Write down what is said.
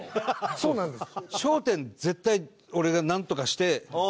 そうなんですよ。